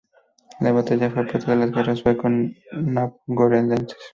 La batalla fue parte de las guerras sueco-novgorodenses.